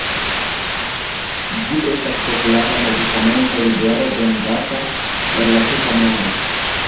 Ĝi estas populara medikamento libere vendata en la tuta mondo.